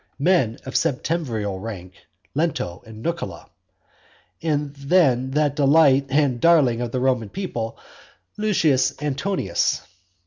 Men of septemviral rank, Lento and Nucula, and then that delight and darling of the Roman people, Lucius Antonius.